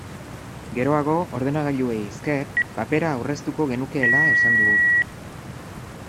Geroago, ordenagailuei esker, papera aurreztuko genukeela esan dugu.